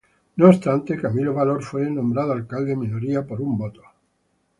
No obstante, Camilo Valor fue nombrado alcalde en minoría por un voto.